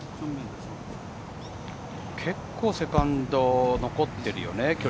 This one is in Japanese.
結構セカンド残っているよね。